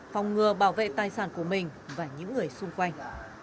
phòng ngừa bảo vệ tài sản của mình và những người xung quanh